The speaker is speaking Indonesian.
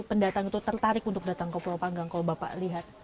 pendatang itu tertarik untuk datang ke pulau panggang kalau bapak lihat